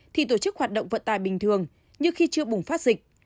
thì tổ chức hoạt động vận tài bình thường như khi chưa bùng phát dịch